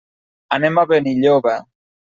Anem a Benilloba.